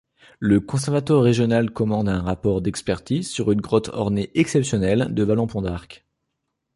Le conservateur régional commande un rapport d'expertise sur une grotte ornée exceptionnelle de Vallon-Pont-d'Arc.